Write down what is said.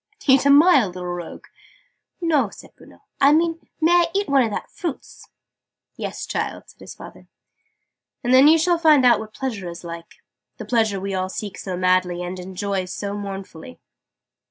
"Eat a mile, little rogue?" "No," said Bruno. "I mean may I eat one of that fruits?" "Yes, child," said his father: "and then you'll find out what Pleasure is like the Pleasure we all seek so madly, and enjoy so mournfully!"